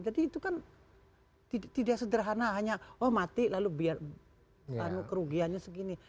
jadi itu kan tidak sederhana hanya oh mati lalu biar kerugiannya segini